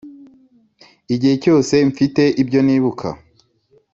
igihe cyose mfite ibyo nibuka